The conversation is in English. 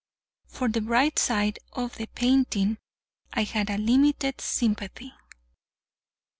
For the bright side of the painting I had a limited sympathy.